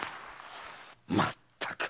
まったく。